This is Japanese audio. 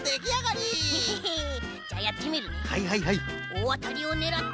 「おおあたり」をねらって。